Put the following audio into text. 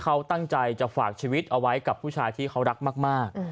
ขนหนึ่งที่เค้าตั้งใจจะฝากชีวิตเอาไว้ใช้กับผู้ชายที่เค้ารักมาก